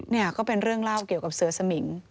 นี่ก็เป็นเรื่องเล่าเกี่ยวกับเสือสมิง